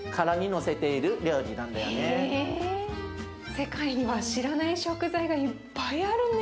世界には知らない食材がいっぱいあるね。